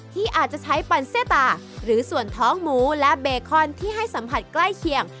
ที่อาจจะใช้ปั่นเสื้อตาหรือส่วนท้องหมูและเบคอนที่ให้สัมผัสใกล้เคียง